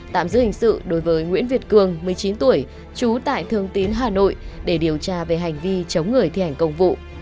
tạm giữ hình sự đối với nguyễn việt cường một mươi chín tuổi trú tại thường tín hà nội để điều tra về hành vi chống người thi hành công vụ